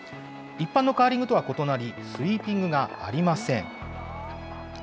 一般のカーリングとは異なり、スウィーピングがありません。